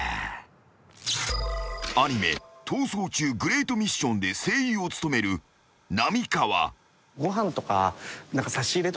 ［アニメ『逃走中グレートミッション』で声優を務める浪川］